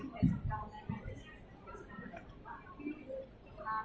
เวลาแรกพี่เห็นแวว